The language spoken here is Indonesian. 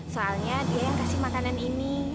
soalnya dia yang kasih makanan ini